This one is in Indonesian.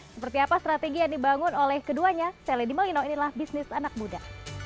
seperti apa strategi yang dibangun oleh keduanya saya ledy malino inilah bisnis anak muda